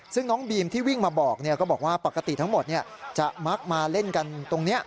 ซึ่งน้องบีมที่วิ่งมาบอกก็บอกว่าปกติทั้งหมดจะมักมาเล่นกันตรงนี้